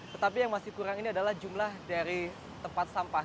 tetapi yang masih kurang ini adalah jumlah dari tempat sampah